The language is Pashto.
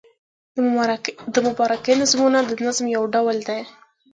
د مبارکۍ نظمونه د نظم یو ډول دﺉ.